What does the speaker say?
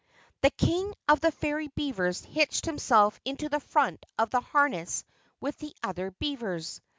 The King of the Fairy Beavers hitched himself into the front of the harness with the other beavers.